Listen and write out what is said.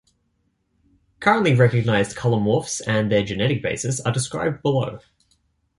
Currently recognized colour morphs and their genetic basis are described below.